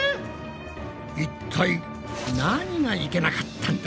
いったい何がいけなかったんだ？